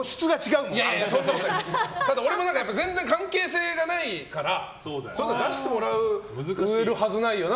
俺も全然関係性がないから出してもらえるはずないよな